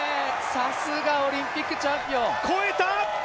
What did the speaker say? さすがオリンピックチャンピオン。